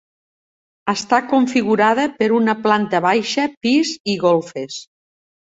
Està configurada per una planta baixa, pis i golfes.